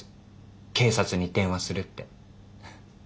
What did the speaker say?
「警察に電話する」って。